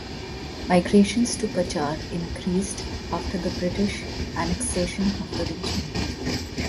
Migrations to Cachar increased after the British annexation of the region.